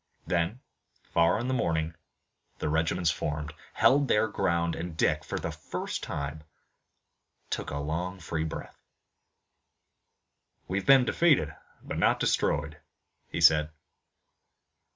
Then, far in the morning, the regiments reformed, held their ground, and Dick, for the first time, took a long free breath. "We've been defeated but not destroyed," he said.